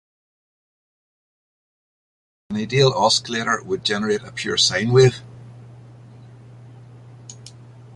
An ideal oscillator would generate a pure sine wave.